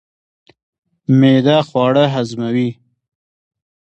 معده خواړه هضموي.